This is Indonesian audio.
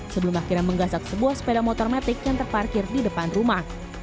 sebelum akhirnya menggasak sebuah sepeda motor metik yang terparkir di depan rumah